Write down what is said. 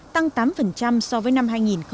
tăng tám so với năm hai nghìn một mươi bảy